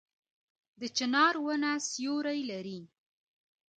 د چنار ونه سیوری لري